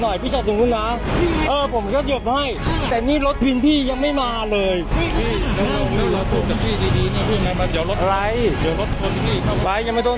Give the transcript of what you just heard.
หนึ่งมันก็ยังไม่มาเลยไม่